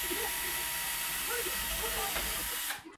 زه خلک نه خوابدي کوم.